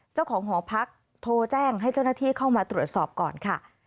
เจ้าของหอพักโทรแจ้งให้เจ้าหน้าที่เข้ามาตรวจสอบก่อนค่ะ